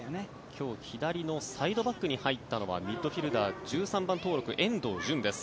今日左のサイドバックに入ったのはミッドフィールダー１３番、遠藤純です。